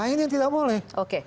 ini yang tidak boleh